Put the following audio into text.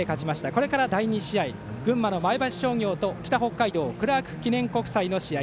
これから第２試合群馬の前橋商業と北北海道クラーク記念国際の試合。